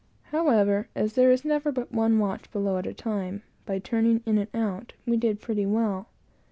However, as there is never but one watch below at a time, by 'turning in and out,' we did pretty well.